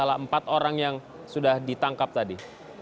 kala empat orang yang sudah ditangkap tadi